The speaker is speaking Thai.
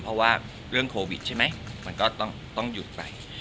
เพราะว่าเรื่องโควิดใช่ไหมมันก็ต้องหยุดไป